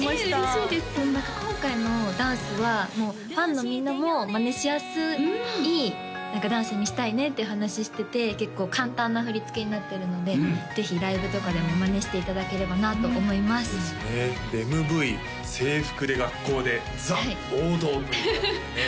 そんな今回のダンスはもうファンのみんなもマネしやすいダンスにしたいねって話してて結構簡単な振り付けになってるのでぜひライブとかでもマネしていただければなと思いますＭＶ制服で学校でザ・王道という感じでね